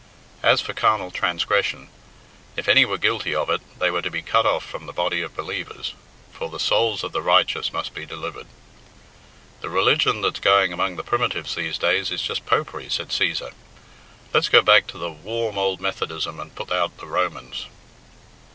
As for carnal transgression, if any were guilty of it, they were to be cut off from the body of believers, for the souls of the righteous must be delivered. "The religion that's going among the Primitives these days is just Popery," said Cæsar. "Let's go back to the warm ould Methodism and put out the Romans."